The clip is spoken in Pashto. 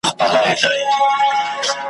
نن مي د جلاد په لاس کي سره تېغونه ولیدل ,